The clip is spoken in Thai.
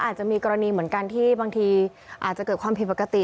อาจจะมีกรณีเหมือนกันที่บางทีอาจจะเกิดความผิดปกติ